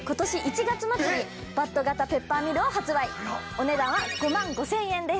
お値段は５万５０００円です。